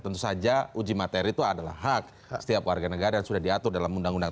tentu saja uji materi itu adalah hak setiap warga negara yang sudah diatur dalam undang undang